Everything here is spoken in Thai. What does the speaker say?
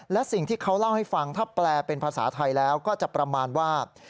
และสิ่งที่เขาเล่าให้ฟังถ้าแปลเป็นภาษาไทยแล้วก็จะประมาณว่า